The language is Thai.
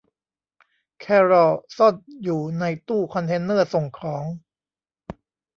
แครอลซ่อนอยู่ในตู้คอนเทนเนอร์ส่งของ